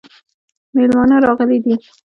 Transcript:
مېلمانه راغلي دي